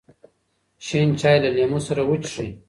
شین چای له لیمو سره وڅښئ.